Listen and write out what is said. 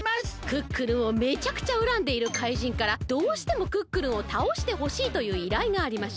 クックルンをめちゃくちゃうらんでいる怪人からどうしてもクックルンをたおしてほしいといういらいがありました。